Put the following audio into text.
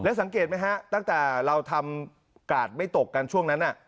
สังเกตไหมฮะตั้งแต่เราทำกาดไม่ตกกันช่วงนั้น